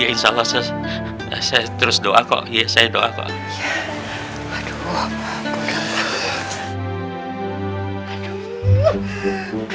insya allah saya terus doa kok ya saya doa kok